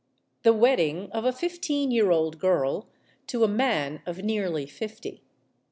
The wedding of a fifteen year old girl to a man of nearly fifty.